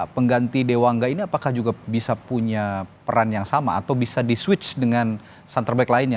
pengganti dewangga ini apakah juga bisa punya peran yang sama atau bisa di switch dengan center back lainnya